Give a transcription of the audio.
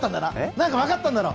何か分かったんだろ